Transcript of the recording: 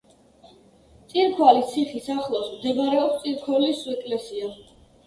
წირქვალის ციხის ახლოს მდებარეობს წირქოლის ეკლესია.